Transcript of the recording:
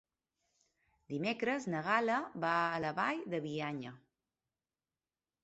Dimecres na Gal·la va a la Vall de Bianya.